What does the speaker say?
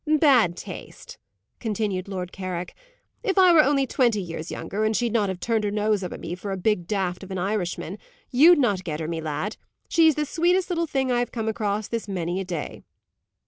"Bad taste!" continued Lord Carrick. "If I were only twenty years younger, and she'd not turn up her nose at me for a big daft of an Irishman, you'd not get her, me lad. She's the sweetest little thing I have come across this many a day."